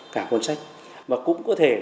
cả cuốn sách mà cũng có thể